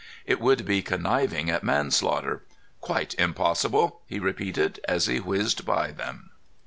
It would be conniving at manslaughter. "Quite impossible," he repeated, as he whizzed by them.